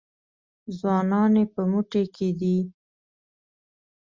ځوانان یې په موټي کې دي.